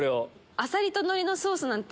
浅利と海苔のソースなんて